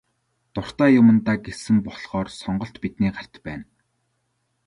Дуртай яамандаа гэсэн болохоор сонголт бидний гарт байна.